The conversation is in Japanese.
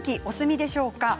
お済みでしょうか？